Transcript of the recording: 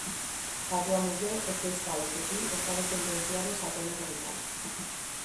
A túa muller, os teus pais e ti estades sentenciados á pena capital.